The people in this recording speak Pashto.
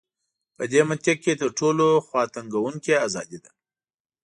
په دې منطق کې تر ټولو خواتنګوونکې ازادي ده.